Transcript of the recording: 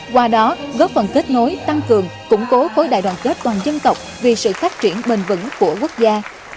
qua đó góp phần kết nối tăng cường củng cố khối đại đoàn kết toàn dân tộc vì sự phát triển bền vững của quốc gia